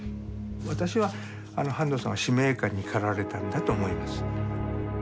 私は半藤さんは使命感に駆られたんだと思います。